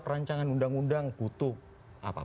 perancangan undang undang butuh